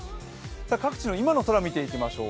各地の今の空を見ていきましょう。